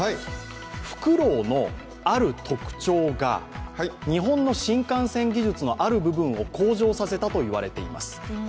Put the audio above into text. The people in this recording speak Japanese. ふくろうの、ある特徴が日本の新幹線技術のある部分を向上させたといわれています。